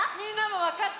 わかった？